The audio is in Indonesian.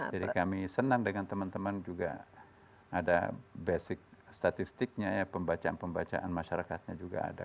jadi kami senang dengan teman teman juga ada basic statistiknya ya pembacaan pembacaan masyarakatnya juga ada